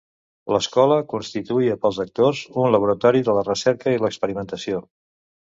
L'escola constituïa pels actors un laboratori per la recerca i l’experimentació.